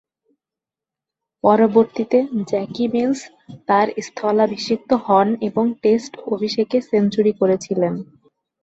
পরবর্তীতে Jackie Mills তার স্থলাভিষিক্ত হন এবং টেস্ট অভিষেকে সেঞ্চুরি করেছিলেন।